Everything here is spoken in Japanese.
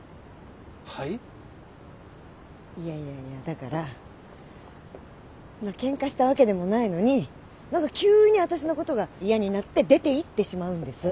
だからまあケンカしたわけでもないのに何か急に私のことが嫌になって出ていってしまうんです。